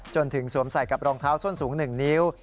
สวมใส่กับรองเท้าส้นสูง๑นิ้ว